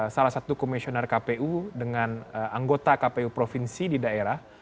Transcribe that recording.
salah satu komisioner kpu dengan anggota kpu provinsi di daerah